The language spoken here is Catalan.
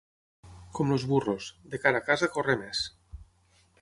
Com els burros, de cara a casa corre més.